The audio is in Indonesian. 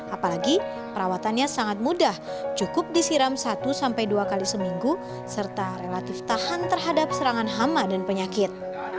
apalagi perawatannya sangat mudah cukup disiram satu sampai dua kali seminggu serta relatif tahan terhadap serangan hama dan penyakit